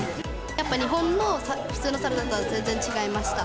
やっぱ日本の普通のサラダとは全然違いました。